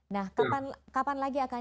nah kapan lagi akan